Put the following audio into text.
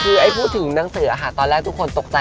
คือไอ้พูดถึงหนังสือค่ะตอนแรกทุกคนตกใจ